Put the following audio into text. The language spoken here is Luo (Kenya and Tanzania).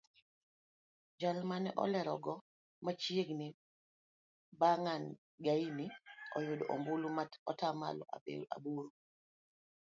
Jal mane olerogo machiegni Bangaini oyudo ombulu atamalo aboro.